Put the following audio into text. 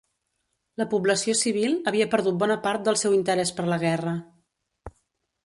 La població civil havia perdut bona part del seu interès per la guerra